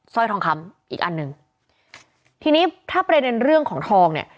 สร้อยทองคำอีกอันหนึ่งทีนี้ถ้าประเด็นเรื่องของทองเนี่ย